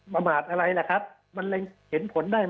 ประมาทอะไรล่ะครับมันเร็งเห็นผลได้ไหม